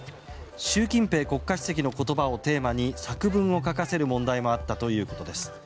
習近平国家主席の言葉をテーマに作文を書かせる問題もあったということです。